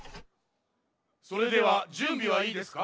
それではじゅんびはいいですか？